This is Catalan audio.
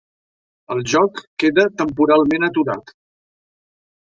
El joc queda temporalment aturat.